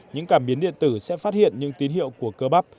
những cảm biến điện tử sẽ phát hiện những tín hiệu của cơ bắp